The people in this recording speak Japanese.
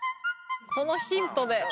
このヒントで。